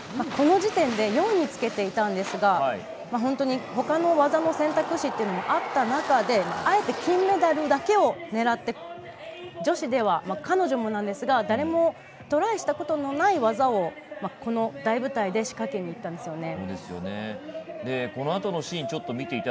この時点で４位につけていたんですが本当にほかの技の選択肢というのもあった中であえて金メダルだけをねらって女子では彼女もなんですが誰もトライしたことのない技をこの大舞台で仕掛けにいったんですよね。